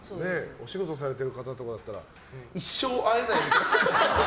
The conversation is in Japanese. お仕事されてる方とかだと一生会えない。